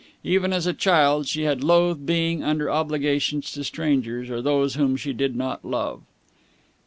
Even as a child she had loathed being under obligations to strangers or those whom she did not love.